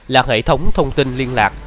là hệ thống thông tin liên lạc